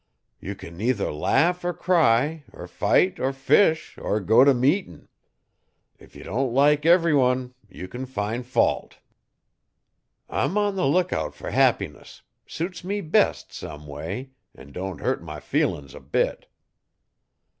Ye can either laugh er cry er fight er fish er go if meetin'. If ye don't like erry one you can fin fault. I'm on the lookout fer happiness suits me best, someway, an don't hurt my feelin's a bit.